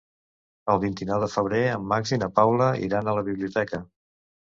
El vint-i-nou de febrer en Max i na Paula iran a la biblioteca.